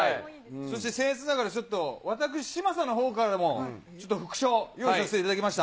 そしてせん越ながら、ちょっと私、嶋佐のほうからも、ちょっと副賞、用意させていただきました。